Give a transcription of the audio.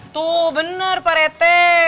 tuh bener pak rt